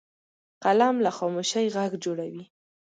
قلم له خاموشۍ غږ جوړوي